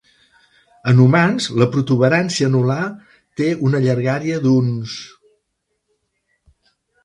En humans, la protuberància anular té una llargària d'uns.